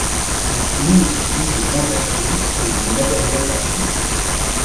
Son film utilise des interviews et du matériel d'archive.